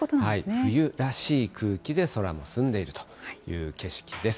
冬らしい空気で空も澄んでいるという景色です。